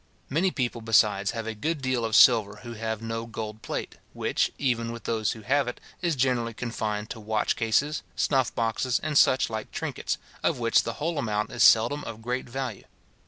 Many people, besides, have a good deal of silver who have no gold plate, which, even with those who have it, is generally confined to watch cases, snuff boxes, and such like trinkets, of which the whole amount is seldom of great value.